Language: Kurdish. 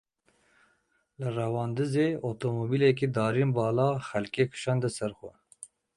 Li Rewandizê otomobîleke darîn bala xelkê kişande ser xwe.